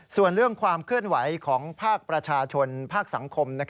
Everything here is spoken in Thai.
ส่วนเรื่องความเคลื่อนไหวของภาคประชาชนภาคสังคม